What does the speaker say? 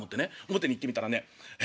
表に行ってみたらねえ？